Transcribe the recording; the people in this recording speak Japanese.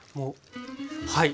はい。